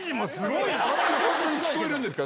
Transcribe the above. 本当に聞こえるんですか？